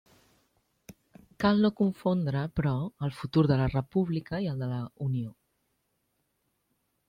Cal no confondre, però, el futur de la república i el de la Unió.